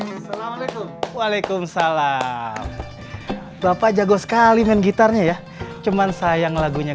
assalamualaikum waalaikumsalam bapak jago sekali main gitarnya ya cuman sayang lagunya